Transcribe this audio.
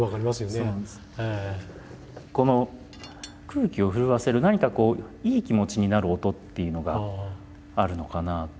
この空気を震わせる何かこういい気持ちになる音っていうのがあるのかなと。